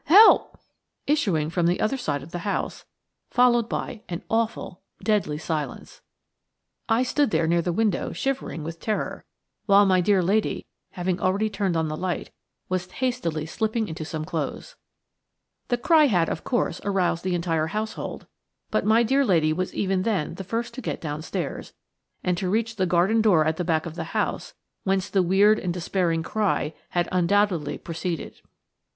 Help!" issuing from the other side of the house, followed by an awful, deadly silence. I stood there near the window shivering with terror, while my dear lady, having already turned on the light, was hastily slipping into some clothes. The cry had, of course, aroused the entire household, but my dear lady was even then the first to get downstairs, and to reach the garden door at the back of the house, whence the weird and despairing cry had undoubtedly proceeded.